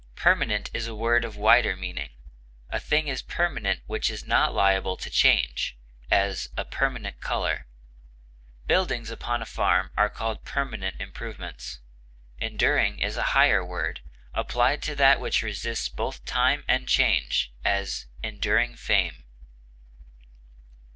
Permanent is a word of wider meaning; a thing is permanent which is not liable to change; as, a permanent color; buildings upon a farm are called permanent improvements. Enduring is a higher word, applied to that which resists both time and change; as, enduring fame.